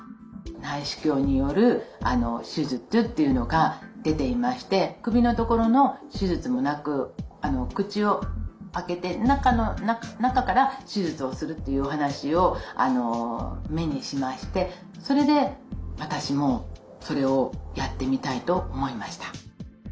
内視鏡による手術っていうのが出ていまして首のところの手術もなく口を開けて中から手術をするっていうお話を目にしましてそれで私もそれをやってみたいと思いました。